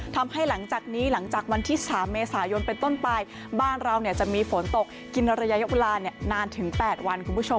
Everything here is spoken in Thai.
หลังจากนี้หลังจากวันที่๓เมษายนเป็นต้นไปบ้านเราจะมีฝนตกกินระยะเวลานานถึง๘วันคุณผู้ชม